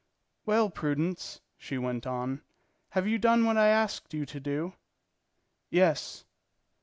"Well, Prudence," she went on, "have you done what I asked you to do?" "Yes.